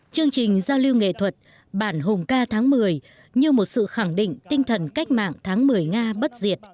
chương trình giao lưu nghệ thuật bản hùng ca tháng một mươi như một sự khẳng định tinh thần cách mạng tháng một mươi nga bất diệt